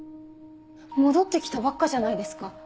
戻って来たばっかじゃないですか。